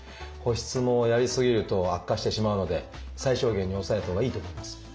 保湿もやり過ぎると悪化してしまうので最小限に抑えたほうがいいと思います。